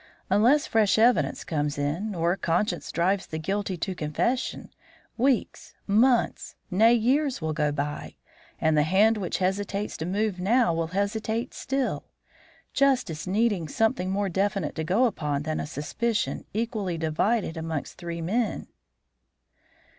Unless fresh evidence comes in, or conscience drives the guilty to confession, weeks, months, nay, years will go by, and the hand which hesitates to move now will hesitate still; justice needing something more definite to go upon than a suspicion equally divided amongst three men."